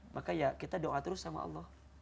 maka ya kita doa terus sama allah